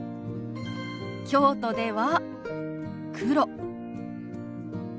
京都では「黒」。